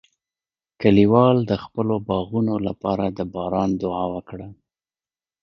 کلیوال د خپلو باغونو لپاره د باران دعا وکړه.